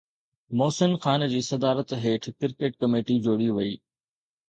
محسن خان جي صدارت هيٺ ڪرڪيٽ ڪميٽي جوڙي وئي